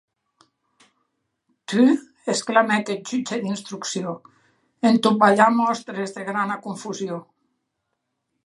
Tu?, exclamèc eth jutge d’instrucción, en tot balhar mòstres de grana confusion.